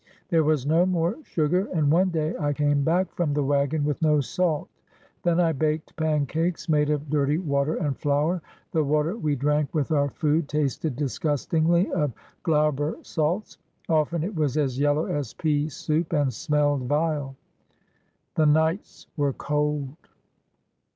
There was no more sugar, and one day I came back from the wagon with no salt. Then I baked pancakes made of dirty water and flour. The water we drank with our food tasted disgustingly of Glaubersalz; often it was as yel low as pea soup and smelled vile. The nights were cold.